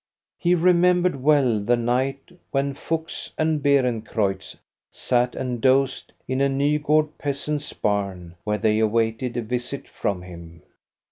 He re membered well the night when Fuchs and Beeren creutz sat and dozed in a Nygard peasant's barn, where they awaited a visit from him.